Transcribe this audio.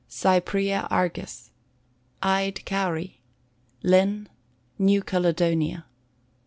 Cypræa Argus. Eyed Cowry. Linn. New Caledonia.